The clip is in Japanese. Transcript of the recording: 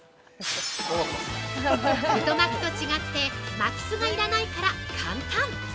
◆太巻きと違って巻きすが要らないから簡単！